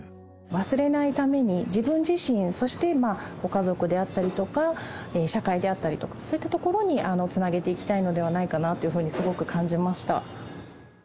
忘れないために、自分自身、そしてご家族であったりとか社会であったりとか、そういったところにつなげていきたいのではないかなというふうに、すごく感じました。